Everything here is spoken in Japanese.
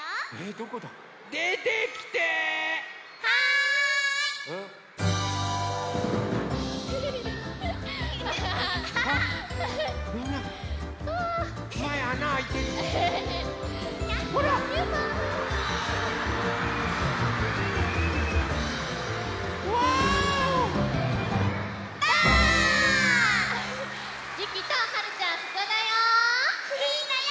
ここだよ！